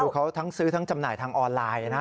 คือเขาทั้งซื้อทั้งจำหน่ายทางออนไลน์นะ